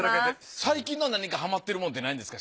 最近の何かはまってるものってないんですか？